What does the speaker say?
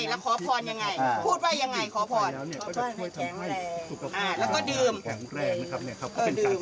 แล้วก็ดื่ม